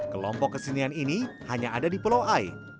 kelompok kesenian ini hanya ada di pulau ai